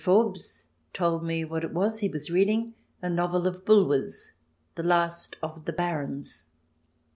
xv Forbes told me what it was he was reading — a novel of Bulwer's, " The Last of the Barons."